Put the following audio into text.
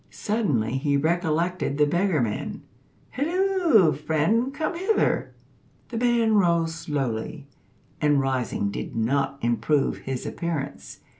Suddenly he recollected the beggar man. "Halloo! friend; come hither." The man rose slowly, and rising did not improve his appearance.